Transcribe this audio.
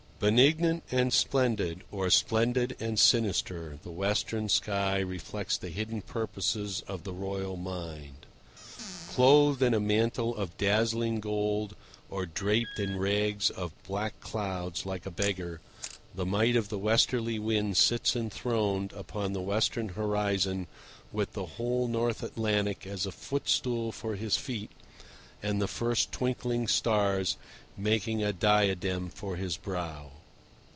Benignant and splendid, or splendid and sinister, the western sky reflects the hidden purposes of the royal mind. Clothed in a mantle of dazzling gold or draped in rags of black clouds like a beggar, the might of the Westerly Wind sits enthroned upon the western horizon with the whole North Atlantic as a footstool for his feet and the first twinkling stars making a diadem for his brow.